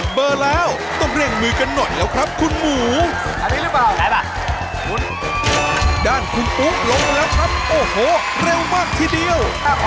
ด้านคุณอุ๊กลงแล้วครับโอ้โหเร็วมากทีเดียว